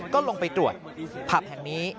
ก็ลงไปตรวจผับแห่งนี้